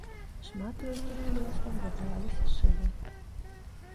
Шмат у якіх кіёсках захаваліся шыбы.